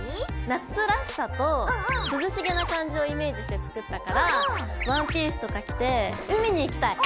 夏らしさと涼しげな感じをイメージして作ったからワンピースとか着て海に行きたい！